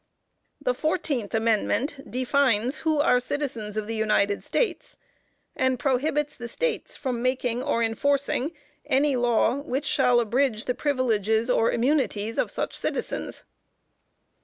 The fourteenth amendment defines who are citizens of the United States, and prohibits the States from making or enforcing "any law which shall abridge the privileges or immunities" of such citizens.